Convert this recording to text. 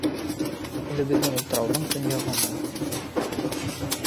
— Үҙебеҙҙең утрауҙың көньяғынан.